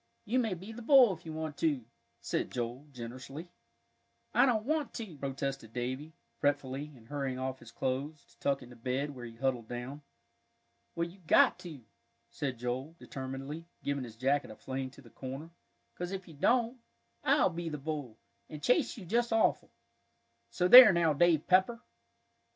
You may be the bull, if you want to," said Joel, generously. "I don't want to," protested Davie, fretfully, and hurrying off his clothes, to tuck into bed, where he huddled down. "Well, you've got to," said Joel, determinedly, giving his jacket a fling to the corner, "'cause if you don't, I'll be the bull, and chase you just awful. So there now, Dave Pepper!"